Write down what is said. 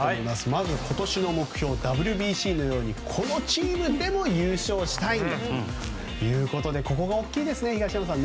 まず今年の目標、ＷＢＣのようにこのチームでも優勝したいということでここが大きいですね、東山さん。